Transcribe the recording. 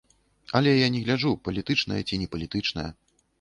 Але я не гляджу, палітычная ці не палітычная.